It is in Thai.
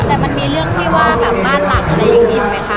แต่มันมีเรื่องที่ว่าแบบบ้านหลังอะไรอย่างนี้อยู่ไหมคะ